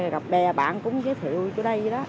gặp bè bạn cũng giới thiệu chỗ đây